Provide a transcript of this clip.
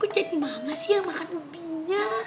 kok jadi mama sih yang makan ubinya